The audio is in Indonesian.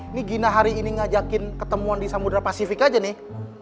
ini gina hari ini ngajakin ketemuan di samudera pasifik aja nih